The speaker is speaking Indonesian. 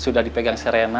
sudah dipegang serentaknya